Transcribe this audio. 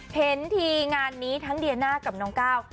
เห็นทีงานนี้ทั้งเดียน่ากับน้องก้าว